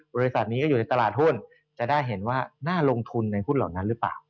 บริษัทนี้ก็อยู่ในตลาดหุ้นจะได้เห็นว่าน่าลงทุนในหุ้นเหล่านั้นหรือเปล่า